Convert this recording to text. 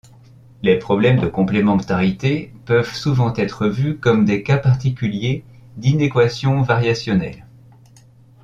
Les problèmes de complémentarité peuvent souvent être vu comme des cas particuliers d'inéquations variationnelles.